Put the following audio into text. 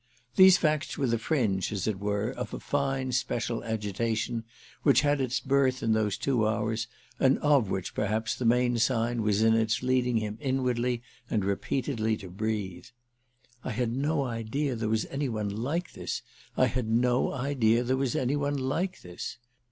These facts were the fringe, as it were, of a fine special agitation which had its birth in those two hours and of which perhaps the main sign was in its leading him inwardly and repeatedly to breathe "I had no idea there was any one like this—I had no idea there was any one like this!"